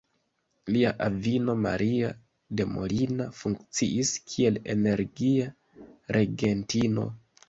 Lia avino Maria de Molina funkciis kiel energia regentino.